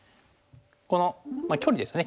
この距離ですね